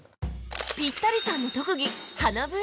ピッタリさんの特技鼻笛